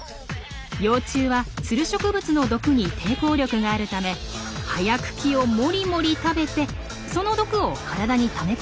幼虫はツル植物の毒に抵抗力があるため葉や茎をもりもり食べてその毒を体にため込みます。